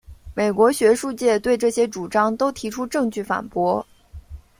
美国学术界对这些主张都提出证据反驳。